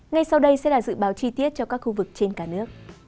ngay sau đây sẽ là dự báo chi tiết cho các khu vực trên cả nước